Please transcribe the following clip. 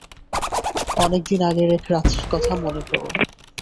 অনেক দিন আগের এক রাত্রির কথা মনে পড়ে।